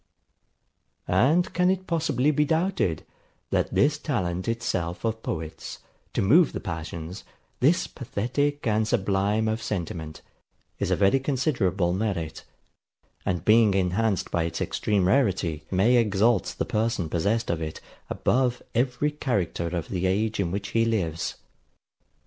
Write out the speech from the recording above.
And can it possibly be doubted, that this talent itself of poets, to move the passions, this pathetic and sublime of sentiment, is a very considerable merit; and being enhanced by its extreme rarity, may exalt the person possessed of it, above every character of the age in which he lives?